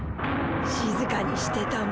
しずかにしてたも。